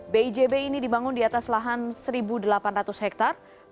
bijb ini dibangun di atas lahan satu delapan ratus hektare